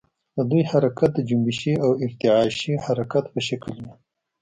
د دوی حرکت د جنبشي او ارتعاشي حرکت په شکل وي.